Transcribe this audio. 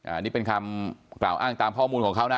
อันนี้เป็นคำกล่าวอ้างตามข้อมูลของเขานะ